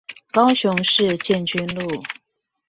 高雄市建軍路